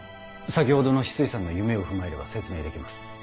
先ほどの翡翠さんの夢を踏まえれば説明できます。